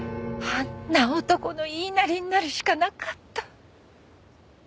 あんな男の言いなりになるしかなかった。